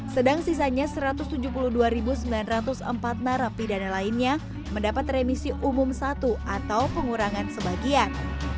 sedang sisanya satu ratus tujuh puluh dua sembilan ratus empat narapidana lainnya mendapat remisi umum satu atau pengurangan sebagian